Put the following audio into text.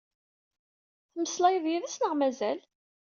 Temmeslayeḍ yid-s neɣ mazal?